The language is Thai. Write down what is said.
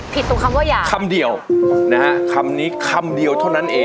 ตรงคำว่าอยากคำเดียวนะฮะคำนี้คำเดียวเท่านั้นเอง